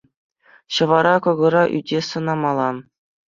Ҫӑвара, кӑкӑра, ӳте сӑнамалла.